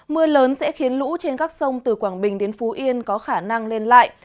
mưa lớn sẽ khiến lũ trên các sông từ quảng bình đến phú yên có khả năng lên lại